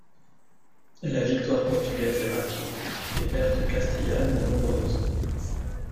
La victoire portugaise est rapide, les pertes castillanes nombreuses.